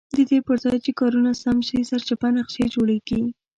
ددې پرځای چې کارونه سم شي سرچپه نقشې جوړېږي.